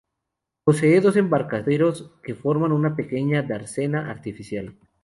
Posee dos embarcaderos que forman una pequeña dársena artificial.